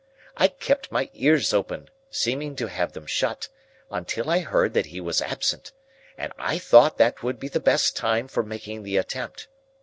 I kept my ears open, seeming to have them shut, until I heard that he was absent, and I thought that would be the best time for making the attempt.